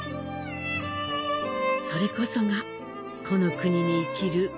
それこそがこの国に生きる